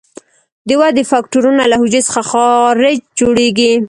د ودې فکټورونه له حجرې څخه خارج جوړیږي.